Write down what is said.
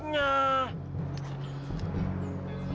mana suara dlu